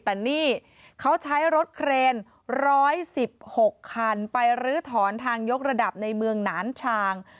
แต่นี่เขาใช้รถเครน๑๑๖คันไปรื้อถอนทางยกระดับในเมืองหนานชาง